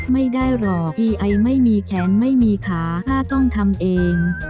ไม่ได้หรอกพี่ไอไม่มีแขนไม่มีขาป้าต้องทำเอง